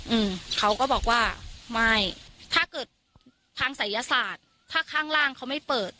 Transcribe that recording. อืมเขาก็บอกว่าไม่ถ้าเกิดทางศัยศาสตร์ถ้าข้างล่างเขาไม่เปิด